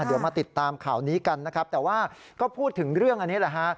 เดี๋ยวมาติดตามข่าวนี้กันนะครับแต่ว่าก็พูดถึงเรื่องอันนี้แหละฮะ